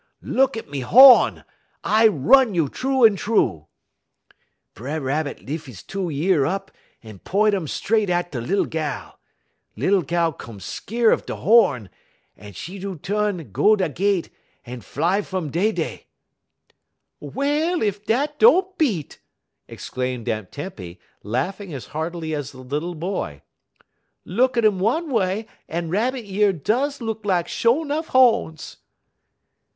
Look at me ho'n! I run you troo un troo.' "B'er Rabbit lif 'e two year up; 'e p'int um stret at da lil gal. Lil gal 'come skeer da ho'n; 'e do tu'n go da gett; 'e fly fum dey dey." "Well, ef dat don't beat!" exclaimed Aunt Tempy, laughing as heartily as the little boy. "Look at um one way, en Rabbit year does look lak sho' nuff ho'ns."